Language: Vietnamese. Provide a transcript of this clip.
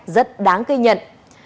rất đáng gây nhận